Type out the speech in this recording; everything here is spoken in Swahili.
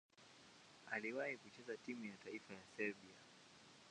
Aliwahi kucheza timu ya taifa ya Serbia.